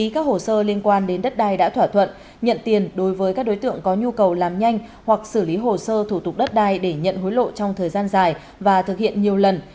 các hồ sơ liên quan đến đất đai đã thỏa thuận nhận tiền đối với các đối tượng có nhu cầu làm nhanh hoặc xử lý hồ sơ thủ tục đất đai để nhận hối lộ trong thời gian dài và thực hiện nhiều lần